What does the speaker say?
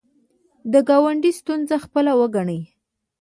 د ګاونډي ستونزه خپله وګڼئ